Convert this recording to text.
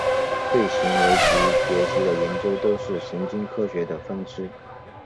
对行为及学习的研究都是神经科学的分支。